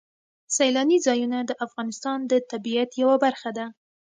سیلاني ځایونه د افغانستان د طبیعت یوه برخه ده.